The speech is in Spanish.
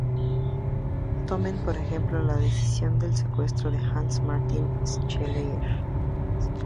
Tomen, por ejemplo, la decisión del secuestro de Hanns Martin Schleyer.